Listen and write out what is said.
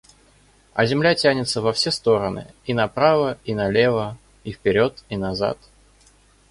А земля тянется во все стороны, и направо, и налево, и вперед и назад.